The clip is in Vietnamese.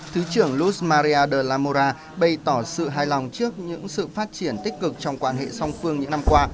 thứ trưởng luz maria de la mora bày tỏ sự hài lòng trước những sự phát triển tích cực trong quan hệ song phương những năm qua